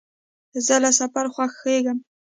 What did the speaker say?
زه له سفر خوښېږم.